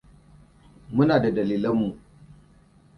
Muna da dalilan mu.